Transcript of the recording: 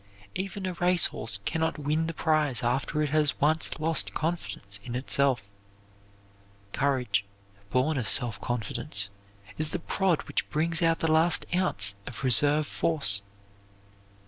Even a race horse can not win the prize after it has once lost confidence in itself. Courage, born of self confidence, is the prod which brings out the last ounce of reserve force.